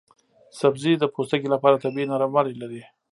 دا سبزی د پوستکي لپاره طبیعي نرموالی لري.